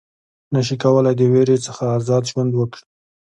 نه شي کولای د وېرې څخه آزاد ژوند وکړي.